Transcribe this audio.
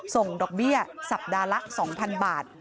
ส่งดอกเบี้ยสัปดาห์ละ๒๐๐๐บาท